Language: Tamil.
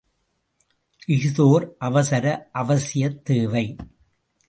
இஃதோர் அவசர அவசியத் தேவை.